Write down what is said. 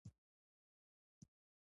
موږ باید معنویات هېر نکړو.